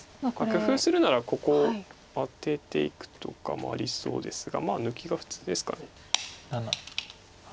工夫するならここをアテていくとかもありそうですがまあ抜きが普通ですか。